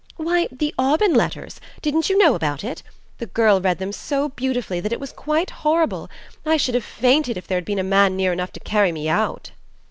"Why, the 'Aubyn Letters' didn't you know about it? The girl read them so beautifully that it was quite horrible I should have fainted if there'd been a man near enough to carry me out."